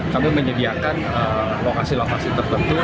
kami menyediakan lokasi lokasi tertentu